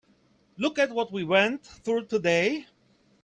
Look at what we went through today.